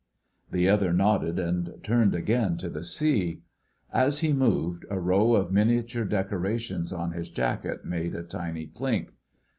The other nodded and turned again to the sea; as he moved, a row of miniature decorations on his jacket made a tiny clink.